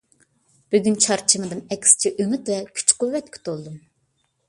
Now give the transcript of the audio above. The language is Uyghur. بۈگۈن چارچىمىدىم. ئەكسىچە ئۈمىد ۋە كۈچ-قۇۋۋەتكە تولدۇم.